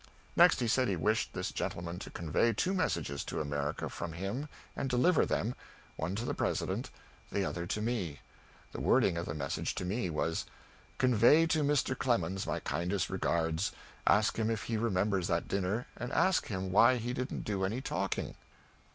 Next he said he wished this gentleman to convey two messages to America from him and deliver them one to the President, the other to me. The wording of the message to me was: "Convey to Mr. Clemens my kindest regards. Ask him if he remembers that dinner, and ask him why he didn't do any talking."